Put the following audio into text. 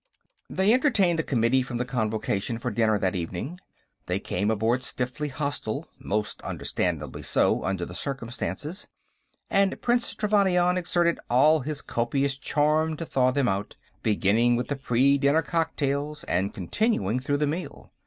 They entertained the committee from the Convocation for dinner, that evening. They came aboard stiffly hostile most understandably so, under the circumstances and Prince Trevannion exerted all his copious charm to thaw them out, beginning with the pre dinner cocktails and continuing through the meal.